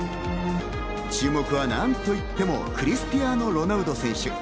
注目は何と言ってもクリスティアーノ・ロナウド選手。